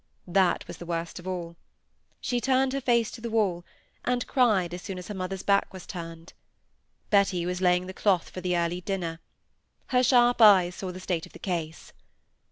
That was worst of all. She turned her face to the wall, and cried as soon as her mother's back was turned. Betty was laying the cloth for the early dinner. Her sharp eyes saw the state of the case.